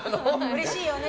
うれしいよね。